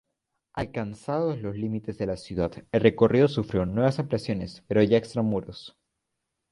Alcanzados los límites de la ciudad, el recorrido sufrió nuevas ampliaciones pero ya extramuros.